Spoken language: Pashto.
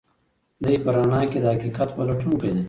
دی په رڼا کې د حقیقت پلټونکی دی.